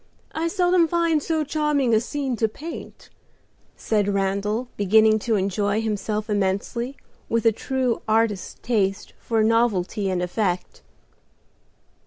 I seldom find so charming a scene to paint," said Randal, beginning to enjoy himself immensely, with a true artist's taste for novelty and effect.